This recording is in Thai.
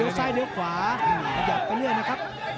เดียวซ้ายเดียวขวาหยัดไปเรื่อยนะครับ